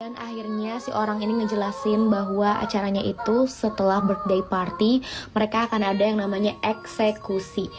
dan akhirnya si orang ini ngejelasin bahwa acaranya itu setelah birthday party mereka akan ada yang namanya eksekusi